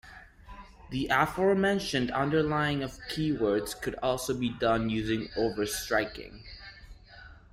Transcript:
The aforementioned underlining of keywords could also be done using overstriking.